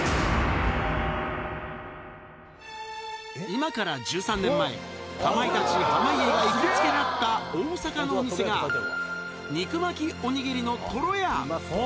今から１３年前、かまいたち・濱家が行きつけだった大阪のお店が、肉巻きおにぎりのとろや。